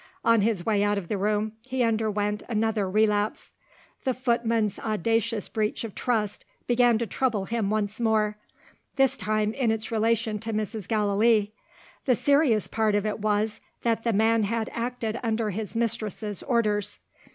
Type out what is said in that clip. On his way out of the room, he underwent another relapse. The footman's audacious breach of trust began to trouble him once more: this time in its relation to Mrs. Gallilee. The serious part of it was, that the man had acted under his mistress's orders.